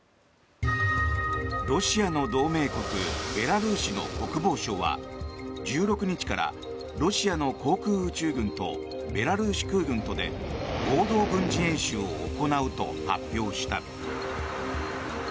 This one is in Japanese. ロシアの同盟国ベラルーシの国防省は１６日からロシアの航空宇宙軍とベラルーシ空軍とで合同軍事演習を行うと発表した。